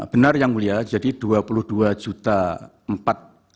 benar yang mulia jadi rp dua puluh dua juta empat ratus